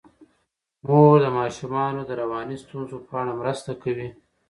مور د ماشومانو د رواني ستونزو په اړه مرسته کوي.